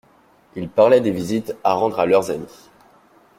Ils parlaient des visites à rendre à leurs amis.